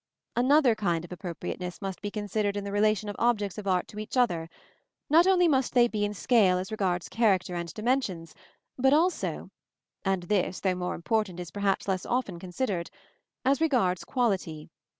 Another kind of appropriateness must be considered in the relation of objects of art to each other: not only must they be in scale as regards character and dimensions, but also and this, though more important, is perhaps less often considered as regards quality.